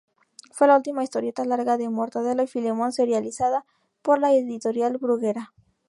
Fue la última historieta larga de Mortadelo y Filemón serializada por la editorial Bruguera.